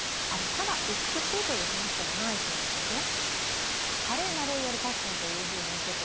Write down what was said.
ただ美しいという話ではないそうなんですね。